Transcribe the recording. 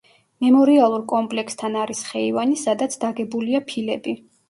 მემორიალურ კომპლექსთან არის ხეივანი, სადაც დაგებულია ფილები.